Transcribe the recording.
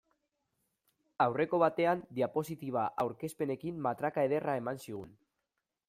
Aurreko batean diapositiba aurkezpenekin matraka ederra eman zigun.